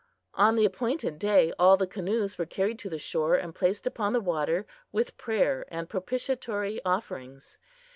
On the appointed day all the canoes were carried to the shore and placed upon the water with prayer and propitiatory offerings.